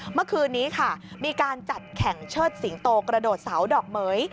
เมื่อคืนนี้ค่ะมีการจัดแข่งเชิดสิงโตกระโดดเสาดอกเหม๋ย